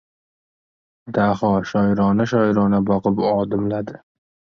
Daho shoirona- shoirona boqib odimladi.